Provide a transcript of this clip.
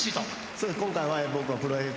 そうです今回は僕は。